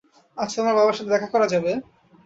আজ তোমার বাবার সাথে দেখা করা যাবে?